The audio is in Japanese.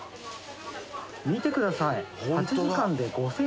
見てください。